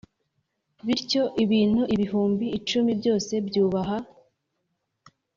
bityo ibintu ibihumbi icumi byose byubaha tao